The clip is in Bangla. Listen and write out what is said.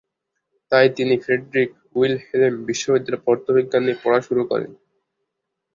তাই তিনি ফ্রেডরিখ উইলহেলম বিশ্ববিদ্যালয়ে পদার্থবিজ্ঞান নিয়ে পড়া শুরু করেন।